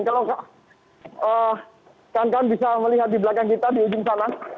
kalau kak kak kak bisa melihat di belakang kita di ujung sana